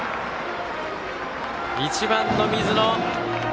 １番の水野